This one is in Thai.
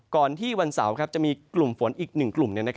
ก่อนที่วันเสาร์จะมีกลุ่มฝนอีก๑กลุ่ม